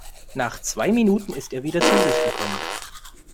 Nach zwei Minuten ist er wieder zu sich gekommen.